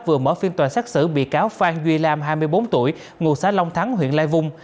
tổng tháp vừa mở phiên toàn xác xử bị cáo phan duy lam hai mươi bốn tuổi ngụ xã long thắng huyện lai vung